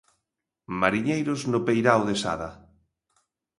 Mariñeiros no peirao de Sada.